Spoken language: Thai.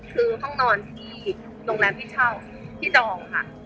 คือห้องนอนที่โรงแรมที่เช่าที่จองค่ะ